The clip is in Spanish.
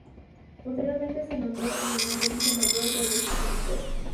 Posteriormente se nombró en honor del hijo mayor del descubridor.